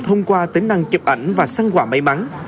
thông qua tính năng chụp ảnh và săn quả máy bắn